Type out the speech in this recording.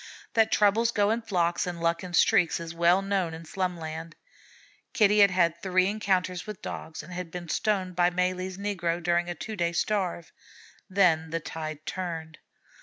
That troubles go in flocks and luck in streaks, is well known in Slumland. Kitty had had three encounters with Dogs, and had been stoned by Malee's negro during a two days' starve. Then the tide turned.